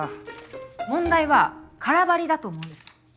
問題はカラバリだと思うんです。